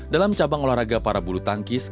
dalam cabang olahraga para bulu tangkis